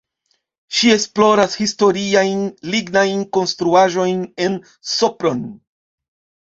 Ŝi esploras historiajn lignajn konstruaĵojn en Sopron.